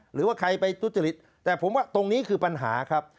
หรือว่าใครไปทุจริตแต่ผมว่าตรงนี้คือปัญหาครับ